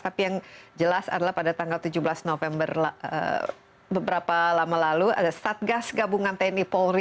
tapi yang jelas adalah pada tanggal tujuh belas november beberapa lama lalu ada satgas gabungan tni polri